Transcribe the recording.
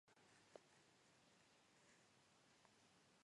რამდენი ვარსკვლავი უნდა დავუმატოთ, რომ ყველა კვადრატი შევავსოთ უკვე.